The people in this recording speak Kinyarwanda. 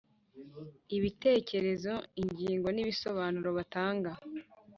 Ibitekerezo, ingingo n’ibisobanuro batanga